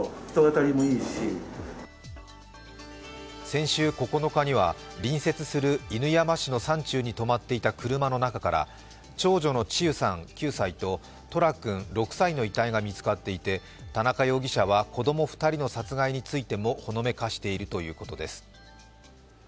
先週９日には隣接する犬山市の山中に止まっていた車の中から長女の千結さん９歳と十楽君６歳の遺体が見つかっていて田中容疑者は子供２人の殺害についてもほのめかしているということです。